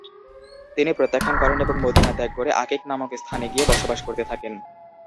তিনি প্রত্যাখ্যান করেন এবং মদীনা ত্যাগ করে আকীক নামক স্থানে গিয়ে বসবাস করতে থাকেন।